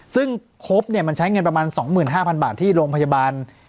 ซึ่งครบมันใช้เงินประมาณ๒๕๐๐บาทที่โรงพยาบาล